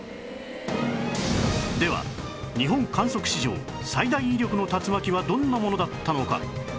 では日本観測史上最大威力の竜巻はどんなものだったのか？